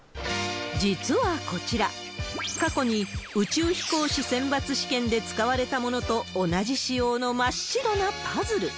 実はこちら、過去に宇宙飛行士選抜試験で使われたものと同じ仕様の真っ白なパズル。